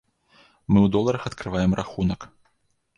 Мы ў доларах адкрываем рахунак.